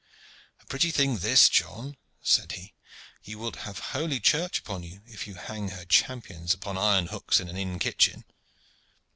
"A pretty thing this, John," said he. "Thou wilt have holy Church upon you if you hang her champions upon iron hooks in an inn kitchen."